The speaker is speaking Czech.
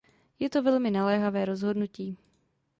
Je to velmi naléhavé rozhodnutí.